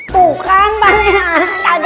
tuh kan pak de